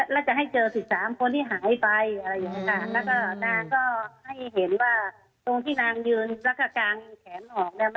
แล้วต้องให้เห็นว่าตรงที่นางยืนรักษาการแขนห่อ